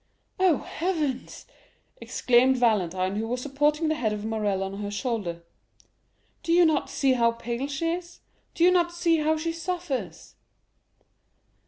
"Oh, heavens," exclaimed Valentine, who was supporting the head of Morrel on her shoulder, "do you not see how pale she is? Do you not see how she suffers?"